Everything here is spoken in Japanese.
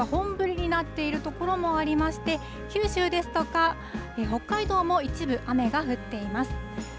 また、東海から関東にかけては本降りになっている所もありまして、九州ですとか、北海道も一部、雨が降っています。